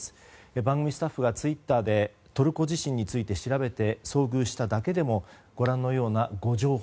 番組スタッフはツイッターでトルコ地震について調べて遭遇しただけでもご覧のような誤情報。